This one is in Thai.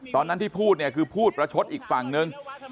ตอนนั้นที่พูดเนี่ยคือพูดประชดอีกฝั่งนึง